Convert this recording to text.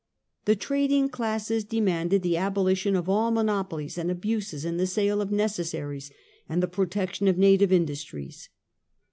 The trading classes demanded the abolition of all monopolies and abuses in the sale of necessaries, and the protection of native industries.